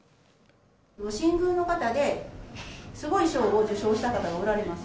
新宮の方で、すごい賞を受賞した方がおられます。